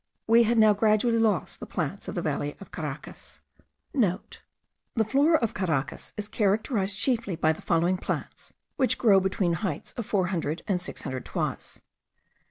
We had now gradually lost the plants of the valley of Caracas.* (* The Flora of Caracas is characterized chiefly by the following plants, which grow between the heights of four hundred and six hundred toises.